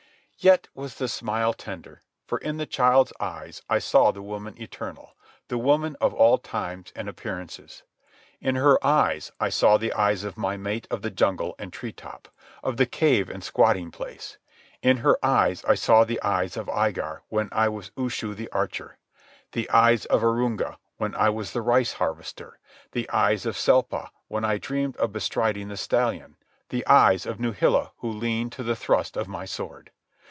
Yet was the smile tender, for in the child's eyes I saw the woman eternal, the woman of all times and appearances. In her eyes I saw the eyes of my mate of the jungle and tree top, of the cave and the squatting place. In her eyes I saw the eyes of Igar when I was Ushu the archer, the eyes of Arunga when I was the rice harvester, the eyes of Selpa when I dreamed of bestriding the stallion, the eyes of Nuhila who leaned to the thrust of my sword.